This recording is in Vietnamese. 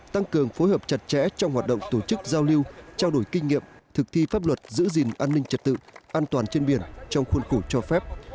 tăng cường phối hợp chặt chẽ trong hoạt động tổ chức giao lưu trao đổi kinh nghiệm thực thi pháp luật giữ gìn an ninh trật tự an toàn trên biển trong khuôn khổ cho phép